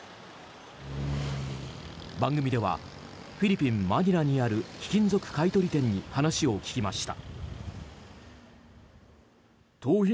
番組ではフィリピン・マニラにある貴金属買い取り店に話を聞きました。